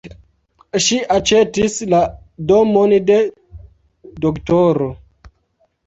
Ŝi aĉetis la domon de Dro.